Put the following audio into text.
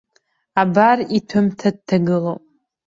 Абар иҭәымҭа дҭагылоуп.